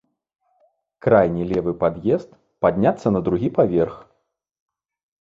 Крайні левы пад'езд, падняцца на другі паверх.